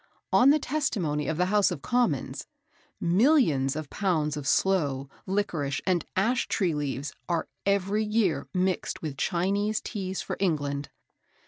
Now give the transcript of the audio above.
On the testimony of the House of Commons, "millions of pounds of sloe, liquorice, and ash tree leaves, are every year mixed with Chinese Teas for England."